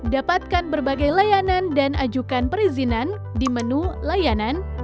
dapatkan berbagai layanan dan ajukan perizinan di menu layanan